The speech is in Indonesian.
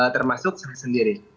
termasuk saya sendiri